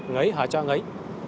nghỉ họ cho nghỉ